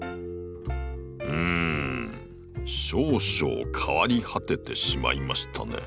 うん少々変わり果ててしまいましたね。